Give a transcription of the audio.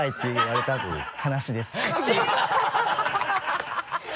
ハハハ